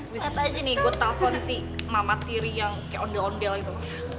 lihat aja nih gue telpon si mama tiri yang kayak ondel ondel gitu